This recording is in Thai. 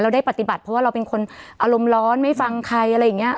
ได้ปฏิบัติเพราะว่าเราเป็นคนอารมณ์ร้อนไม่ฟังใครอะไรอย่างนี้